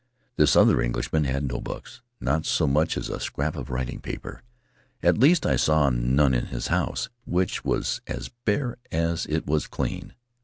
This other Englishman had no books; not so much as a scrap of writing paper. At least I saw none in his house, which was as bare as it was clean.